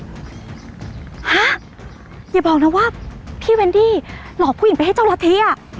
ฮะอย่าบอกนะว่าพี่เวนดี้หลอกผู้หญิงไปให้เจ้าหน้าที่อ่ะ